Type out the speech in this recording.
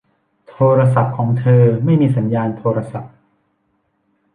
โทรศัพท์ของเธอไม่มีสัญญาณโทรศัพท์